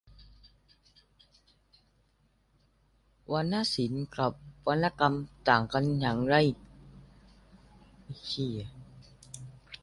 วรรณศิลป์กับวรรณกรรมต่างกันยังไง